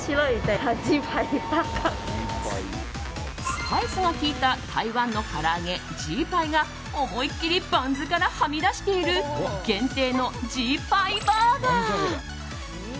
スパイスが効いた台湾のから揚げ、ジーパイが思いっきりバンズからはみ出している限定のジーパイバーガー。